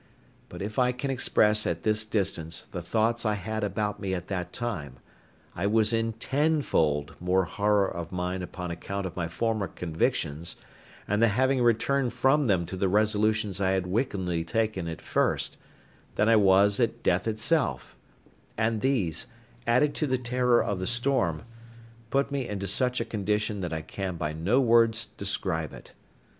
But if I can express at this distance the thoughts I had about me at that time, I was in tenfold more horror of mind upon account of my former convictions, and the having returned from them to the resolutions I had wickedly taken at first, than I was at death itself; and these, added to the terror of the storm, put me into such a condition that I can by no words describe it.